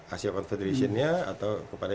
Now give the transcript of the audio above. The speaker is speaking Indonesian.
hasil confederation nya atau kepada